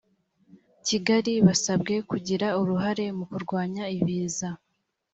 kigali basabwe kugira uruhare mu kurwanya ibiza